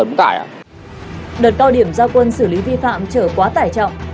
đúng tải ạ đợt cao điểm gia quân xử lý vi phạm trở quá tải trọng